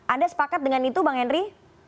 anda sepakat dengan itu bang henry